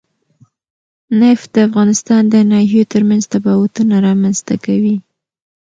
نفت د افغانستان د ناحیو ترمنځ تفاوتونه رامنځ ته کوي.